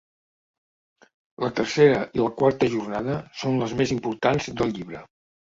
La tercera i la quarta jornada són les més importants del llibre.